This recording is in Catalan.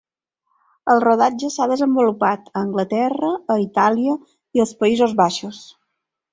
El rodatge s'ha desenvolupat a Anglaterra, a Itàlia i als Països Baixos.